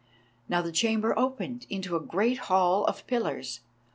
Now the chamber opened into a great hall of pillars.